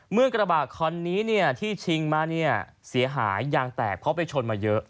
เมื่อกระบะคอนนี้ที่ชิงมาเสียหายยางแตกเพราะไปชนมาเยอะ